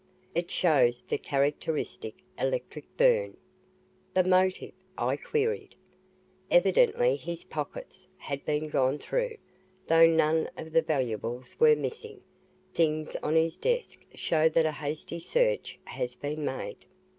It shows the characteristic electric burn." "The motive?" I queried. "Evidently his pockets had been gone through, though none of the valuables were missing. Things on his desk show that a hasty search has been made."